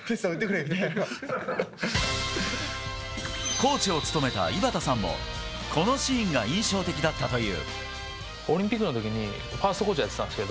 コーチを務めた井端さんもこのシーンが印象的だったという。